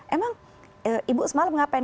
emang ibu semalam ngapain